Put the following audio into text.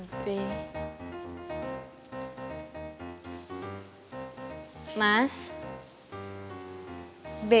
assalamualaikum mas mbe